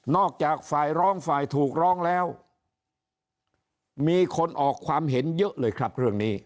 จากฝ่ายร้องฝ่ายถูกร้องแล้วมีคนออกความเห็นเยอะเลยครับเรื่องนี้